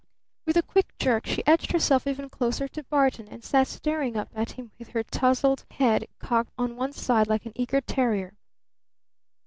With a quick jerk she edged herself even closer to Barton and sat staring up at him with her tousled head cocked on one side like an eager terrier.